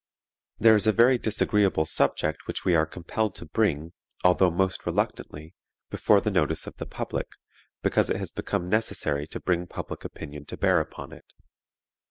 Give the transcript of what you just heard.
"There is a very disagreeable subject which we are compelled to bring, although most reluctantly, before the notice of the public, because it has become necessary to bring public opinion to bear upon it.